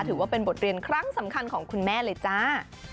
ถือว่าเป็นบทเรียนครั้งสำคัญของคุณแม่เลยจ้า